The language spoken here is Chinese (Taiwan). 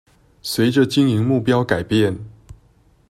隨著經營目標改變